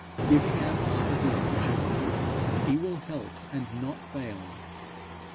Giving our Father the opportunity, he will help and not fail us.